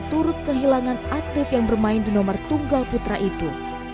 turut kehilangan atlet yang bermain di nomor tunggal putra itu